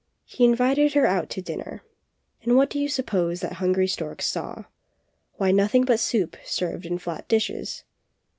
He invited her out to dinner, and what do you suppose that hungry stork saw? Why, nothing but soup served in flat dishes!